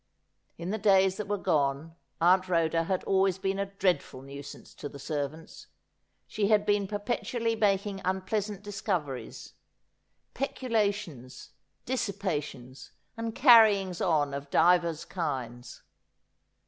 In the days that were gone Aunt Rhoda had always been a dreadful nuisance to the servants. She had been perpetually making unpleasant discoveries — pecu lations, dissipations, and carryings on of divers kinds.